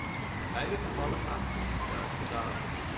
In beide gevallen gaat het om dezelfde datum.